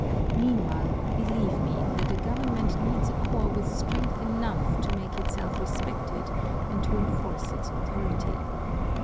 Meanwhile, believe me that the government needs a corps with strength enough to make itself respected and to enforce its authority."